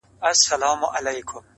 o خوري چي روزي خپله ,